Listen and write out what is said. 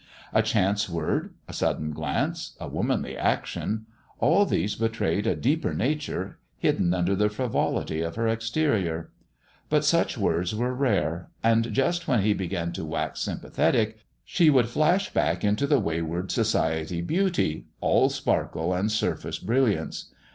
A chance word, a sudden glance, a womanly action — all these betrayed a deeper nature hidden under the frivolity of her exterior. But such words were rare, and just when he began to wax sympathetic, she would flash back into the wayward Society beauty all sparkle and surface brilliance.